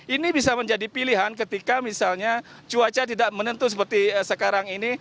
ini bisa menjadi pilihan ketika misalnya cuaca tidak menentu seperti sekarang ini